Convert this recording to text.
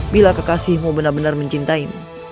bila kekasihmu benar benar mencintaimu